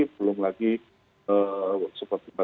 belum lagi seperti mas bambang